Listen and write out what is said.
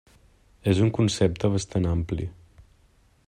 És un concepte bastant ampli.